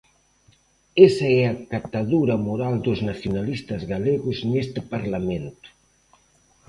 Esa é a catadura moral dos nacionalistas galegos neste Parlamento.